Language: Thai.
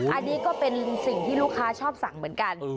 อันนี้ก็เป็นสิ่งที่ลูกค้าชอบสั่งเหมือนกัน